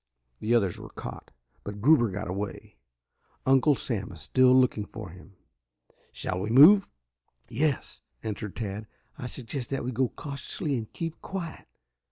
The others were caught, but Gruber got away. Uncle Sam is still looking for him. Shall we move?" "Yes," answered Tad. "I suggest that we go cautiously and keep quiet.